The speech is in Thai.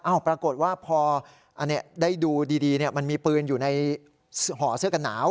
ปรากฏว่าพอได้ดูดีมันมีปืนอยู่ในห่อเสื้อกันหนาว